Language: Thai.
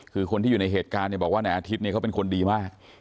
คือคนที่อยู่ในเหตุการณ์บอกว่าในอาทิตย์เป็นคนดีมาก